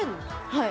はい。